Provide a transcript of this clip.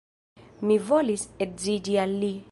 Mi volis edziĝi al li.